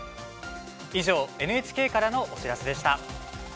以上、ＮＨＫからのお知らせでした。